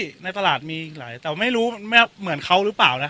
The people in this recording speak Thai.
มีเยอะพี่ในตลาดมีหลายแต่ว่าไม่รู้มันไม่เหมือนเขาหรือเปล่านะ